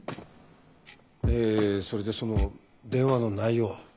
えそれでその電話の内容は？